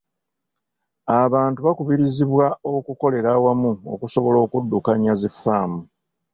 Abantu baakubirizibwa okukolera awamu okusobola okuddukanya zi ffaamu.